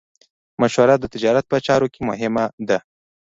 مشوره د تجارت په چارو کې مهمه ده.